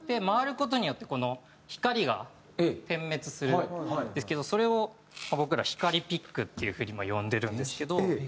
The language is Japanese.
回る事によってこの光が点滅するんですけどそれを僕ら光ピックっていう風に呼んでるんですけど。